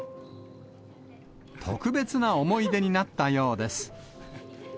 特別な思い出になったようです。